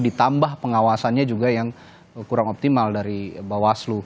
ditambah pengawasannya juga yang kurang optimal dari bawaslu